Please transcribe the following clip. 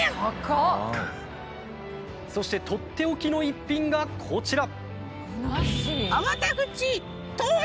そしてとっておきの一品がこちら。